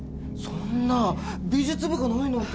そんな美術部がないなんてね。